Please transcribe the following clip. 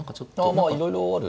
まあいろいろある。